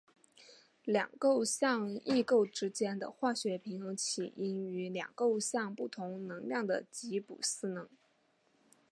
两构象异构之间的化学平衡起因于两构象不同能量的吉布斯能。